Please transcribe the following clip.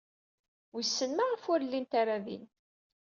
Wissen maɣef ur llint ara din.